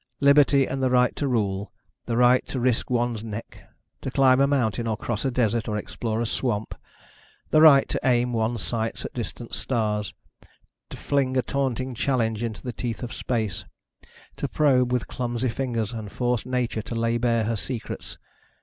Liberty and the right to rule, the right to go risk one's neck ... to climb a mountain or cross a desert or explore a swamp, the right to aim one's sights at distant stars, to fling a taunting challenge into the teeth of space, to probe with clumsy fingers and force nature to lay bare her secrets